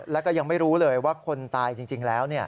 แล้วก็ยังไม่รู้เลยว่าคนตายจริงแล้ว